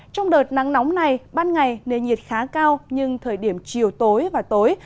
trong đợt nắng nóng này ban ngày nền nhiệt khá cao nhưng thời điểm chiều tối và tối